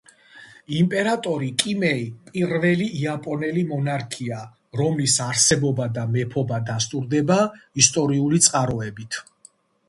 იმპერატორი კიმეი პირველი იაპონელი მონარქია რომლის არსებობა და მეფობა დასტურდება ისტორიული წყაროებით.